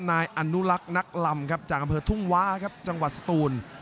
นายอนุลักษ์นักลำครับจากอำเภอทุ่งว้าครับจังหวัดสตูน